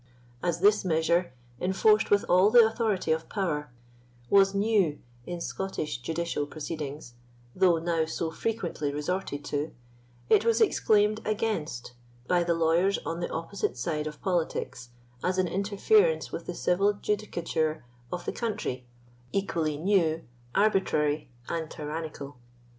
As this measure, enforced with all the authority of power, was new in Scottish judicial proceedings, though now so frequently resorted to, it was exclaimed against by the lawyers on the opposite side of politics, as an interference with the civil judicature of the country, equally new, arbitrary, and tyrannical.